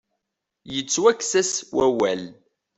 Yettwakkes-as wawal.